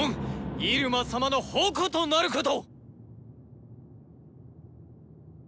入間様の矛となること！